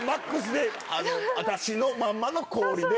私のまんまの氷で。